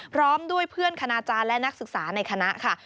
พร้อมด้วยเพื่อนคณาจารย์และนักศึกษาในคณะค่ะ